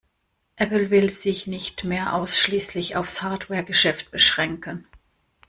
Apple will sich nicht mehr ausschließlich auf's Hardware-Geschäft beschränken.